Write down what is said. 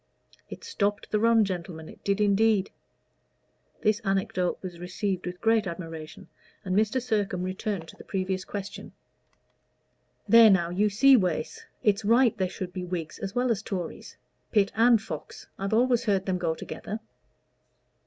It stopped the run, gentlemen it did indeed." This anecodote was received with great admiration, but Mr. Sircome returned to the previous question. "There now, you see, Wace it's right there should be Whigs as well as Tories Pitt and Fox I've always heard them go together."